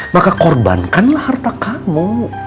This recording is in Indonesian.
maka korbankanlah harta kamu